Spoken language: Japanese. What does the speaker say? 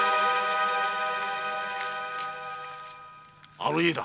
あの家だ。